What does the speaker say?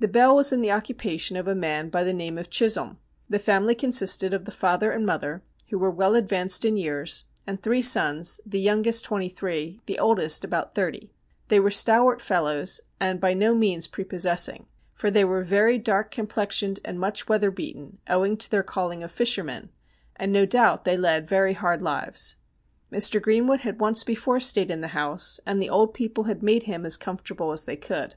The Bell was in the occupation of a man by the name of Chisholm. The family consisted of the father and mother, who were well advanced in years, and three sons, the youngest twenty three, the oldest about thirty. They were stalwart fellows, and by no means prepossessing, for they were very dark complexioned and much weather beaten, owing to their calling of fishermen, andno doubt they led very hard lives. Mr. Greenwood had once before stayed in the house, and the old people had made him as comfortable as they could.